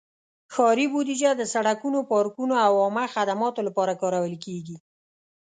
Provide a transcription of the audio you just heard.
ښاري بودیجه د سړکونو، پارکونو، او عامه خدماتو لپاره کارول کېږي.